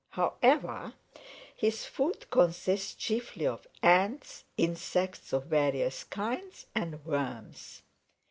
However, his food consists chiefly of Ants, insects of various kinds, and worms.